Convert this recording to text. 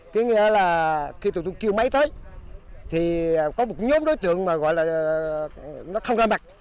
khi tụi tôi kêu máy tới thì có một nhóm đối tượng mà gọi là nó không ra mặt